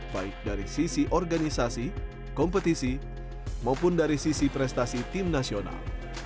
baik dari sisi organisasi kompetisi maupun dari sisi prestasi tim nasional